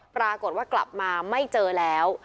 ปรากฏว่ากลับมาไม่เจอแล้ว